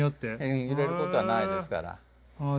ええ揺れることはないですからああ